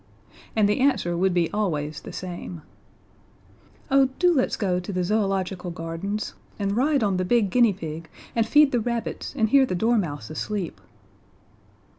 And the answer would be always the same: "Oh, do let's go to the Zoological Gardens and ride on the big guinea pig and feed the rabbits and hear the dormouse asleep."